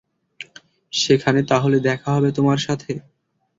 সেখানে তাহলে দেখা হবে তোমার সাথে?